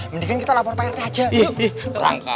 mendingan kita lapor prt aja yuk